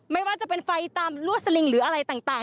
ไม่ว่าจะเป็นไฟตามลวดสลิงหรืออะไรต่าง